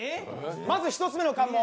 まず１つ目の関門。